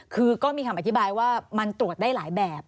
คือก็มีคำอธิบายว่ามันตรวจได้หลายแบบ